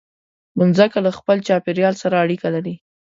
مځکه له خپل چاپېریال سره اړیکه لري.